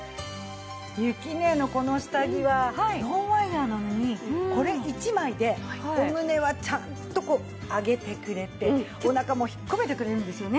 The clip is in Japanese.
ゆきねえのこの下着はノンワイヤなのにこれ１枚でお胸はちゃんとこう上げてくれておなかも引っ込めてくれるんですよね。